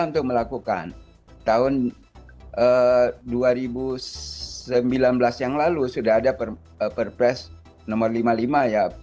untuk melakukan tahun dua ribu sembilan belas yang lalu sudah ada perpres nomor lima puluh lima ya